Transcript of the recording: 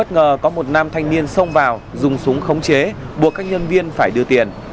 nhân viên xông vào dùng súng khống chế buộc các nhân viên phải đưa tiền